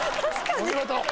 お見事！